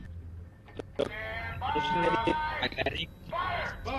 তবে স্বীকার করেছেন, অনুশীলনে দেরি হয়ে যাওয়ায় গাড়ি একটু জোরেই চালিয়েছিলেন।